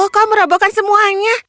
kau merobohkan semuanya